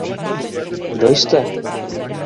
Kdo jste?